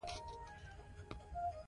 مراد هغه له ځانه سره پورته کړ.